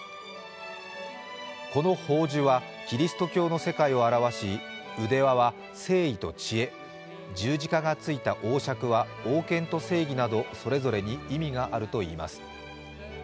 この宝珠はキリスト教の世界を表し腕輪は誠意と知恵、十字架がついた王しゃくは王権と正義などそれぞれに意味があるといいます。